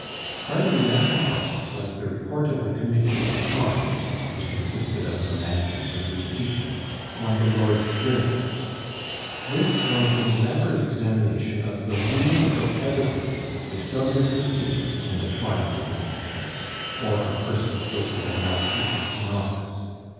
Hardly less important was the report of the Committee of the Commons (which consisted of the managers of the impeachment) on the Lords' journals. This was an elaborate examination of the rules of evidence which govern proceedings in the trial of impeachments, or of persons guilty of malfeasance in office.